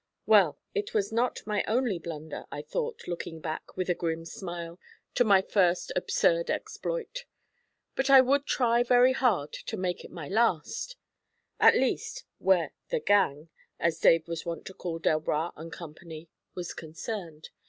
Well, it was not my only blunder, I thought, looking back, with a grim smile, to my first absurd exploit. But I would try very hard to make it my last; at least, where 'the gang,' as Dave was wont to call Delbras and Company, was concerned.